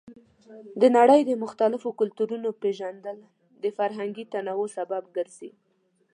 د نړۍ د مختلفو کلتورونو پیژندل د فرهنګي تنوع سبب ګرځي.